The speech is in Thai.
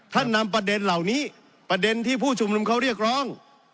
นำประเด็นเหล่านี้ประเด็นที่ผู้ชุมนุมเขาเรียกร้อง